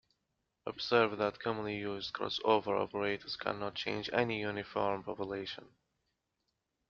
Observe that commonly used crossover operators cannot change any uniform population.